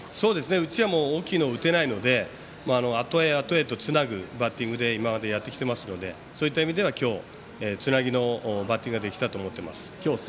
うちは大きいの打てないのであとへあとへとつなぐバッティングで今までやってきていますのでそういった意味では、今日つなぎのバッティングができたと思ってます。